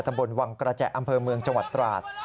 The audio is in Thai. ตำบลวังกระแจอำเภอเมืองจังหวัดตราด